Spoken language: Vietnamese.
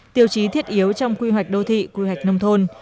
tiêu chí thiết yếu trong quy hoạch đô thị quy hoạch nông thôn